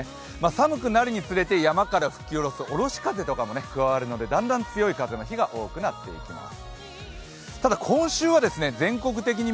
寒くなるに連れて山から吹いてくる下ろし風とかも増えてきますのでだんだん強い風の日が多くなっていきます。